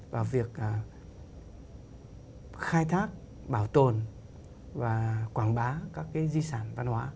và việc khai thác bảo tồn và quảng bá các cái di sản văn hóa